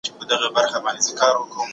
د فرصتونو مساوات د پرمختګ شرط دی.